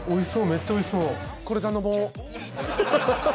めっちゃおいしそう。